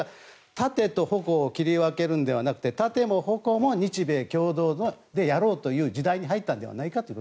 盾と矛を切り分けるんじゃなくて盾も矛も日米共同でやろうという時代に入ったのではないかと。